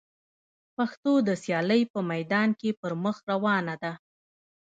پښتو د سیالۍ په میدان کي پر مخ روانه ده.